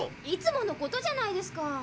いつもの事じゃないですか。